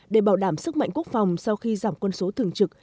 để bảo đảm sức mạnh quốc phòng sau khi giảm quân số thường trực